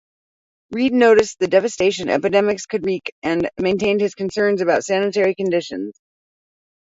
Reed noticed the devastation epidemics could wreak and maintained his concerns about sanitary conditions.